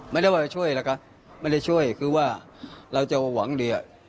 ไม่ได้ว่าจะช่วยหรอกครับไม่ได้ช่วยคือว่าเราจะหวังดี